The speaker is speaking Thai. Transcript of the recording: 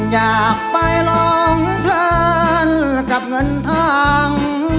อยากไปลองเพลินกับเงินทาง